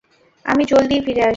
আমি জলদিই ফিরে আসব।